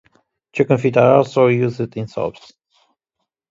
Chicken feet are also used in soups.